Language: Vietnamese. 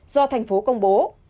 do thành phố công bố